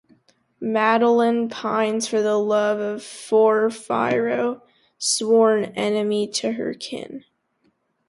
Madeline pines for the love of Porphyro, sworn enemy to her kin.